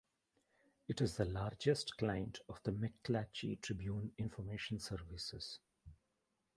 It is the largest client of the McClatchy-Tribune Information Services.